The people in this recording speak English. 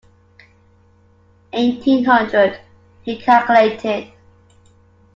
Eighteen hundred, he calculated.